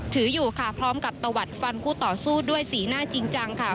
ถืออยู่ค่ะพร้อมกับตะวัดฟันคู่ต่อสู้ด้วยสีหน้าจริงจังค่ะ